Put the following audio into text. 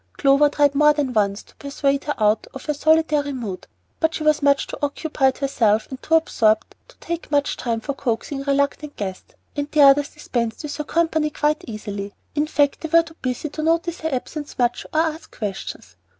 Clover tried more than once to persuade her out of her solitary mood; but she was too much occupied herself and too absorbed to take much time for coaxing a reluctant guest, and the others dispensed with her company quite easily; in fact, they were too busy to notice her absence much or ask questions.